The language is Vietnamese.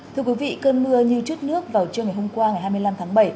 thưa quý vị cơn mưa như chút nước vào trưa ngày hôm qua ngày hai mươi năm tháng bảy